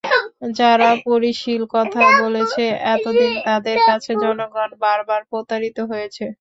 যারা পরিশীল কথা বলেছে এতদিন, তাদের কাছে জনগণ বারবার প্রতারিত হয়েছে।